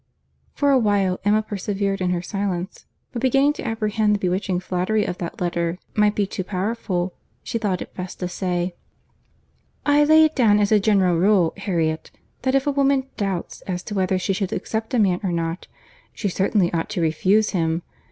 For a little while Emma persevered in her silence; but beginning to apprehend the bewitching flattery of that letter might be too powerful, she thought it best to say, "I lay it down as a general rule, Harriet, that if a woman doubts as to whether she should accept a man or not, she certainly ought to refuse him.